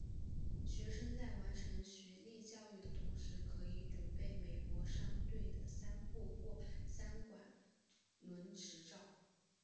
学生在完成学历教育的同时可以准备美国商船队的三副或三管轮执照。